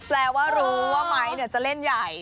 แปลว่ารู้ว่าไม้จะเล่นใหญ่